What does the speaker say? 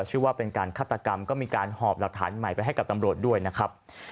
ชื่อว่าเป็นการฆาตกรรมก็มีการหอบหลักฐานใหม่ไปให้กับตำรวจด้วยนะครับ